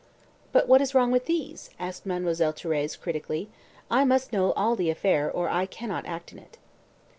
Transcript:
"But what is wrong with these?" asked Mademoiselle Thérèse critically. "I must know all the affair or I cannot act in it."